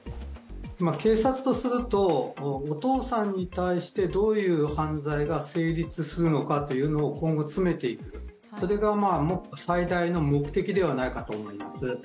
警察とすると、お父さんに対してどういう犯罪が成立するのかというのを今後詰めていく、それが最大の目的ではないかと思います。